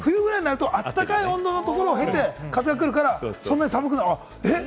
冬ぐらいになると温かい温度のところを経て風が吹くから、そんなに寒くない。